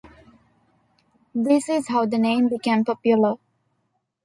This is how the name became popular.